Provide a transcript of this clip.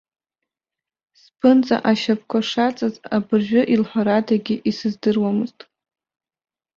Сԥынҵа ашьапқәа шаҵаз абыржәы илҳәарадагьы исыздыруамызт.